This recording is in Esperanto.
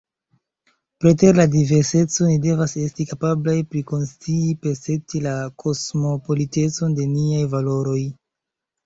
Preter la diverseco ni devas esti kapablaj prikonscii, percepti la kosmopolitecon de niaj valoroj.